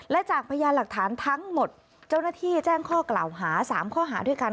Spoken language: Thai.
และจากพยานหลักฐานทั้งหมดเจ้าหน้าที่แจ้งข้อกล่าวหา๓ข้อหาด้วยกัน